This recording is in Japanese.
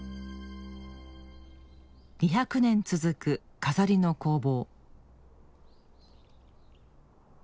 ２００年続く錺の工房